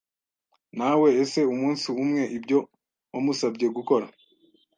Na we Ese umunsi umwe ibyo wamusabye gukora